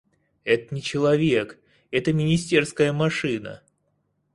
Это не человек, это министерская машина.